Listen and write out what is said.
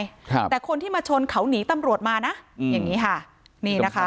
ครับแต่คนที่มาชนเขาหนีตำรวจมานะอืมอย่างงี้ค่ะนี่นะคะ